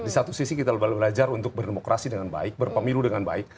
di satu sisi kita belajar untuk berdemokrasi dengan baik berpemilu dengan baik